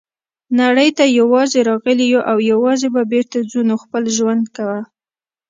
نړۍ ته یوازي راغلي یوو او یوازي به بیرته ځو نو خپل ژوند کوه.